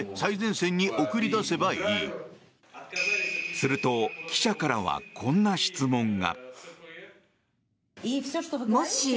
すると記者からはこんな質問が。